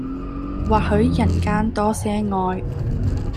或許人間多些愛